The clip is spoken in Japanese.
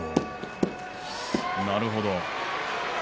なるほど。